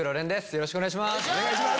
よろしくお願いします。